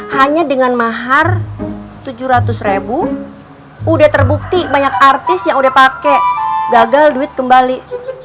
hanya dengan mahar tujuh ratus ribu udah terbukti banyak artis yang udah pakai gagal duit kembali